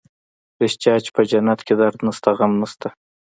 رښتيا چې په جنت کښې درد نسته غم نسته.